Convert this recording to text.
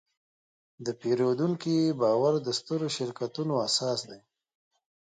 د پیرودونکي باور د سترو شرکتونو اساس دی.